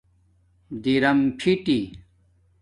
درم فیٹی